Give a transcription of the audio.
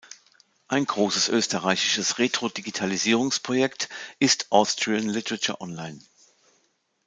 Ein großes österreichisches Retrodigitalisierungs-Projekt ist Austrian Literature Online.